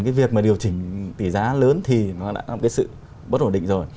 cái việc mà điều chỉnh tỷ giá lớn thì nó đã làm cái sự bất ổn định rồi